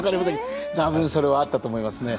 多分それはあったと思いますね。